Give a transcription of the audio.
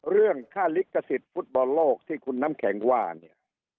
เรื่องค่าลิขสิทธิ์ฟุตบอลโลกที่คุณน้ำแข็งว่าเนี่ย